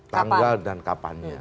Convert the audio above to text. tanggal dan kapannya